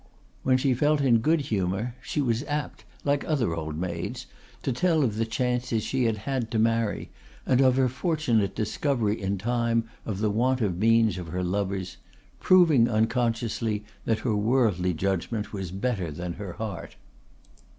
When she felt in good humour she was apt, like other old maids, to tell of the chances she had had to marry, and of her fortunate discovery in time of the want of means of her lovers, proving, unconsciously, that her worldly judgment was better than her heart.